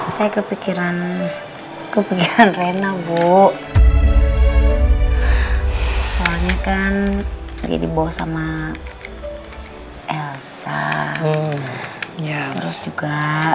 saya kepikiran keberian rena bu soalnya kan jadi bos sama elsa ya terus juga